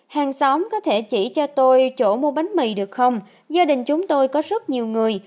hàng xóm có thể chỉ cho tôi chỗ mua bánh mì được không gia đình chúng tôi có rất nhiều người